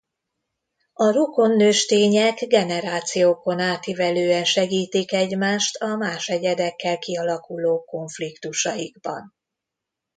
A rokon nőstények generációkon átívelően segítik egymást a más egyedekkel kialakuló konfliktusaikban.